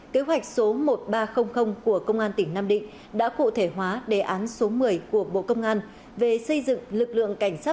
kế hoạch số một nghìn ba trăm linh của công an tỉnh nam định đã cụ thể hóa đề án số một mươi của bộ công an về xây dựng lực lượng cảnh sát